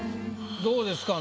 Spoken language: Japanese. どうですか？